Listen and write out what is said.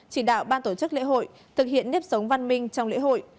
chỉ đạo ban tổ chức lễ hội thực hiện nếp sống văn minh trong lễ hội